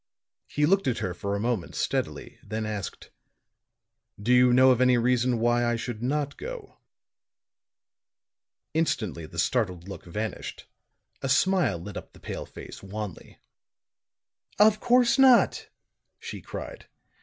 He looked at her for a moment steadily, then asked: "Do you know of any reason why I should not go?" Instantly the startled look vanished; a smile lit up the pale face, wanly. "Of course not," she cried.